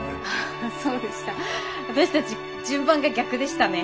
あっそうでした。